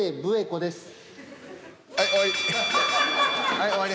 はい終わり。